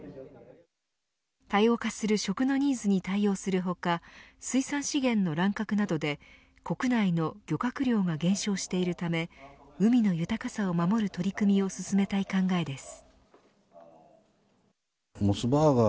多様化する食のニーズに対応する他水産資源の乱獲などで国内の漁獲量が減少しているため海の豊かさを守る取り組みを進めたい考えです。